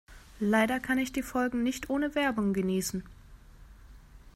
Leider kann ich die Folgen nicht ohne Werbung genießen.